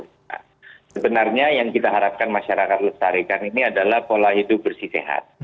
nah sebenarnya yang kita harapkan masyarakat lestarikan ini adalah pola hidup bersih sehat